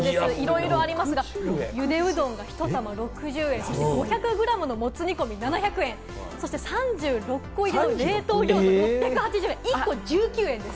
いろいろありますが、茹でうどん、ひと玉６０円。５００グラムのもつ煮込み７００円、３６個入った冷凍餃子が６８０円、１個１９円です。